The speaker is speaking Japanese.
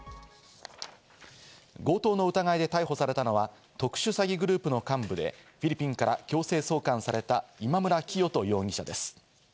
強盗の疑いで逮捕されたのは特殊詐欺グループの幹部で、フィリピンから強制送還された今村磨人容疑者です。